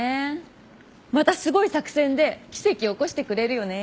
またすごい作戦で奇跡を起こしてくれるよね